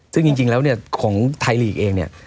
ซึ่งจริงแล้วเนี่ยของไทยลีกเองเนี่ย